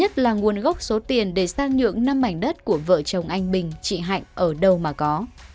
còn gốc số tiền để sang nhượng năm mảnh đất của vợ chồng anh bình chị hạnh ở đâu mà có